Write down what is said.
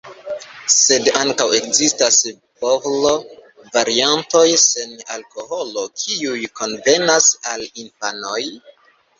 Sed ankaŭ ekzistas bovlo-variantoj sen alkoholo, kiuj konvenas al infanoj.